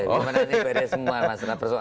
bagaimana ini beda semua masalah persoalan tersebut